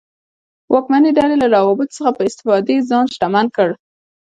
واکمنې ډلې له روابطو څخه په استفادې ځان شتمن کړ.